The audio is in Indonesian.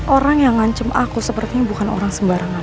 orang yang ngancem aku sepertinya bukan orang sembarangan